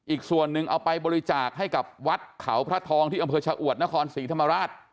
อีกส่วนหนึ่งเอาไปบริจาคให้กับวัดเขาพระทองที่อำเภอชะอวดนครศรีธรรมราช